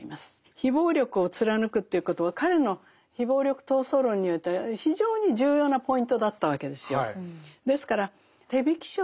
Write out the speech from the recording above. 非暴力を貫くということは彼の非暴力闘争論においては非常に重要なポイントだったわけですよ。